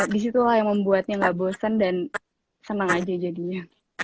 disitulah yang membuatnya nggak bosen dan senang aja jadinya